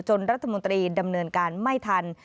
รัฐมนตรีดำเนินการไม่ทัน